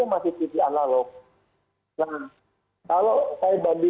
masih analog jadi